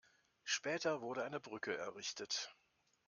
Später wurde eine Brücke errichtet.